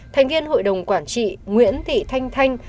thành viên hội đồng quản trị nguyễn thị thanh thanh